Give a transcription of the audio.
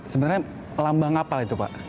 sebenarnya lambang apa itu pak